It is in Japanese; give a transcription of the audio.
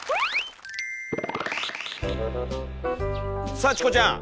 さあチコちゃん！